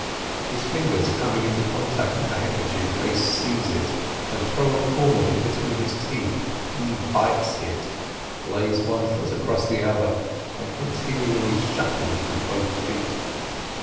His fingers coming into contact with the handkerchief, they seize it, and throw a corner in between his teeth; he bites it, lays one foot across the other, and continually shuffles with both feet.